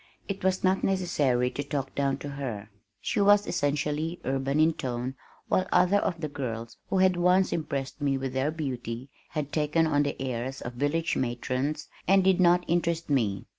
It was not necessary to talk down to her. She was essentially urban in tone while other of the girls who had once impressed me with their beauty had taken on the airs of village matrons and did not interest me.